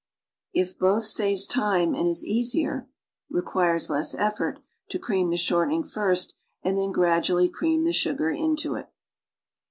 It both saves time and is easier (requires less effort) to cream the shortening first and then gradually' cream the sugar into it.